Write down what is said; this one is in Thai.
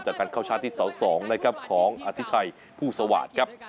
การเข้าชาร์จที่เสา๒นะครับของอธิชัยผู้สวาสตร์ครับ